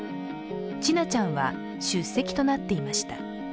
千奈ちゃんは出席となっていました。